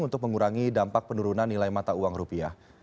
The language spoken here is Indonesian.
untuk mengurangi dampak penurunan nilai mata uang rupiah